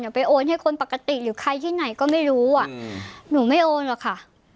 ไปโอนให้คนปกติหรือใครที่ไหนก็ไม่รู้อ่ะหนูไม่โอนหรอกค่ะ